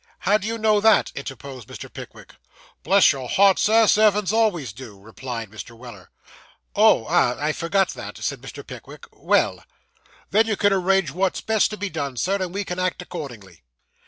'How do you know that?' interposed Mr. Pickwick. 'Bless your heart, sir, servants always do,' replied Mr. Weller. 'Oh, ah, I forgot that,' said Mr. Pickwick. 'Well.' 'Then you can arrange what's best to be done, sir, and we can act accordingly.